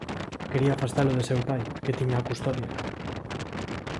Quería afastalo de seu pai, que tiña a custodia.